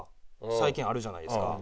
最近あるじゃないですか。